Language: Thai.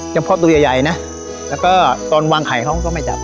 เฉพาะตัวใหญ่นะแล้วก็ตอนวางไข่เขาก็ไม่จับ